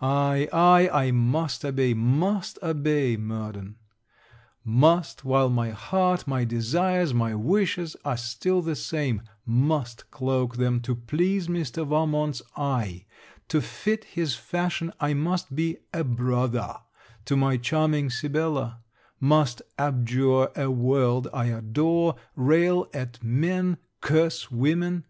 Ay, ay, I must obey, must obey, Murden. Must, while my heart, my desires, my wishes, are still the same, must cloak them to please Mr. Valmont's eye; to fit his fashion I must be a brother to my charming Sibella; must abjure a world I adore, rail at men, curse women.